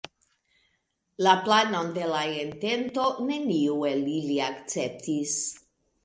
La planon de la entento neniu el ili akceptis.